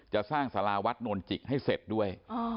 จะสร้างสาราวัดนวลจิกให้เสร็จด้วย